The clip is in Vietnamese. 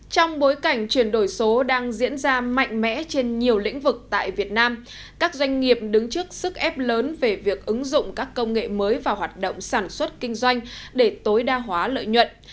trong bối cảnh chuyển đổi số đang diễn ra mạnh mẽ trên nhiều lĩnh vực tại việt nam các doanh nghiệp đứng trước sức ép lớn về việc ứng dụng các công nghệ mới vào hoạt động sản xuất kinh doanh để tối đa hóa lợi nhuận